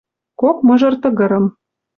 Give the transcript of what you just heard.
Кок мыжыр тыгырым